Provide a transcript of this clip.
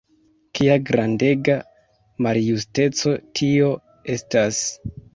Kia grandega maljusteco tio estas!